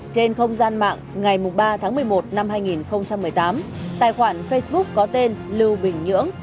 trên không gian mạng ngày ba tháng một mươi một năm hai nghìn một mươi tám tài khoản facebook có tên lưu bình nhưỡng